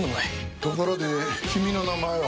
ところで君の名前は？